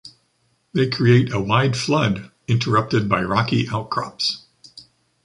They create a wide flood, interrupted by rocky outcrops.